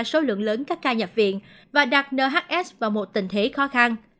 số lượng lớn các ca nhập viện và đặt nhs vào một tình thế khó khăn